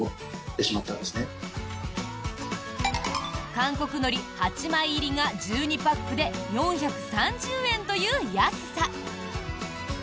韓国のり８枚入りが１２パックで４３０円という安さ。